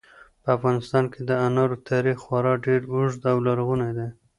په افغانستان کې د انارو تاریخ خورا ډېر اوږد او لرغونی دی.